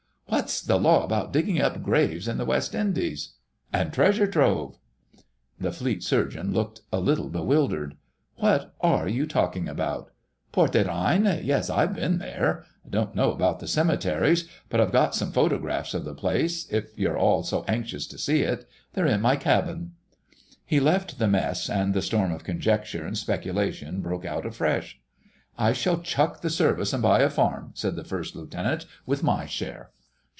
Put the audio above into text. "What's the law about digging up graves in the West Indies?" "——And treasure trove?" The Fleet Surgeon looked a little bewildered. "What are you all talking about? Porte des Reines? Yes, I've been there. I don't know about the cemeteries, but I've got some photographs of the place, if you're all so anxious to see it—they're in my cabin." He left the Mess, and the storm of conjecture and speculation broke out afresh. "I shall chuck the Service and buy a farm," said the First Lieutenant, "with my share."